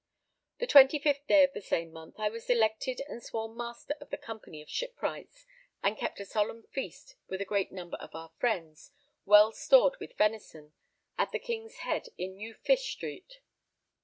The 25th day of the same month, I was elected and sworn Master of the Company of Shipwrights, and kept a solemn feast with a great number of our friends, well stored with venison, at the King's Head in New Fish Street.